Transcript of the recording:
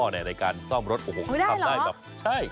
ในการซ่อมอะไรได้ก็ได้